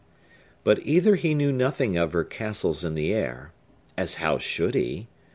But either he knew nothing of her castles in the air,—as how should he?